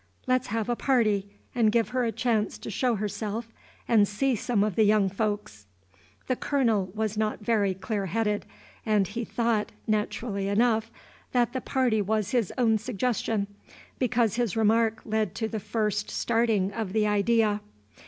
"Let's have a party, and give her a chance to show herself and see some of the young folks." The Colonel was not very clear headed, and he thought, naturally enough, that the party was his own suggestion, because his remark led to the first starting of the idea.